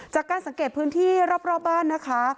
จากการสังเกตพื้นที่รอบบ้านนะคะ